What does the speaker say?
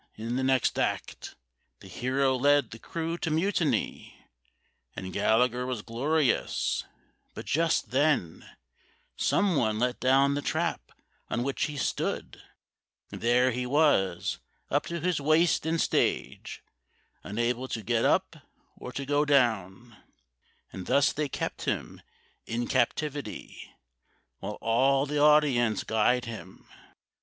In the next act The hero led the crew to mutiny, And Gallagher was glorious; but just then Some one let down the trap on which he stood, And there he was, up to his waist in stage, Unable to get up or to go down, And thus they kept him in captivity While all the audience guyed him.